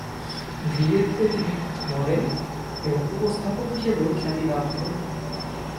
ধীরে ধীরে তিনি মডেল এবং উপস্থাপক হিসেবেও খ্যাতি লাভ করেন।